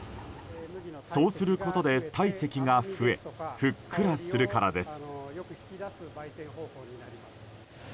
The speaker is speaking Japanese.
そうすることで体積が増えふっくらするからです。